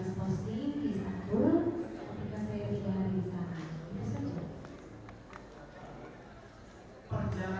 dan segala macam yang disimpan oleh